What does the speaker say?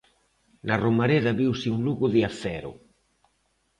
Na Romareda viuse un Lugo de a cero.